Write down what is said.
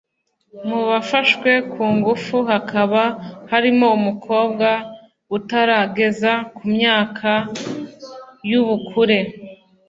mu bafashwe ku ngufu hakaba harimo umukobwa utarageza ku myaka y’ ubukure